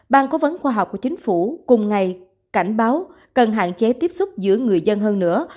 bang cố vấn khoa học của chính phủ cùng ngày cảnh báo cần hạn chế tiếp xúc giữa người dân hơn nữa